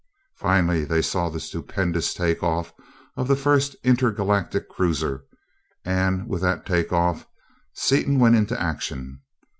Finally they saw the stupendous take off of the first inter galactic cruiser, and with that take off, Seaton went into action.